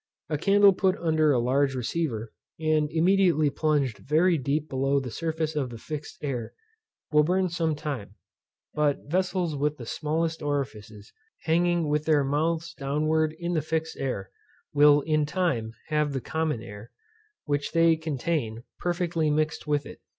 A candle put under a large receiver, and immediately plunged very deep below the surface of the fixed air, will burn some time. But vessels with the smallest orifices, hanging with their mouths downwards in the fixed air, will in time have the common air, which they contain, perfectly mixed with it.